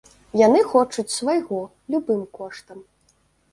Яны хочуць свайго, любым коштам.